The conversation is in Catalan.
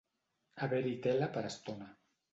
Haver-hi tela per estona.